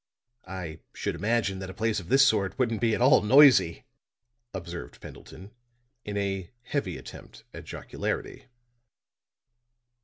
"I should imagine that a place of this sort wouldn't be at all noisy," observed Pendleton, in a heavy attempt at jocularity.